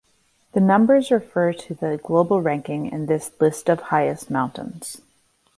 The numbers refer to the global ranking in this "List of highest mountains".